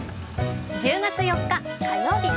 １０月４日火曜日